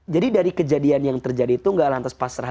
jadi dari kejadian yang terjadi itu gak lantas pasrah